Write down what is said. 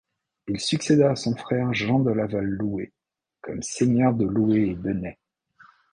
Il succéda à son frère Jean de Laval-Loué comme seigneur de Loué et Benais.